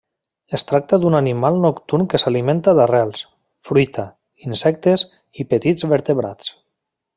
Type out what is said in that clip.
Es tracta d'un animal nocturn que s'alimenta d'arrels, fruita, insectes i petits vertebrats.